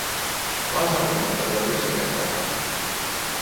Lauserakenteet olivat yksinkertaisia;